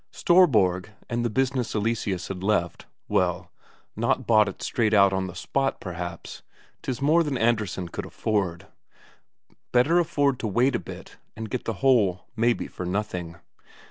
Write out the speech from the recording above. Storborg and the business Eleseus had left well, not bought it straight out on the spot, perhaps, 'tis more than Andresen could afford; better afford to wait a bit and get the whole maybe for nothing.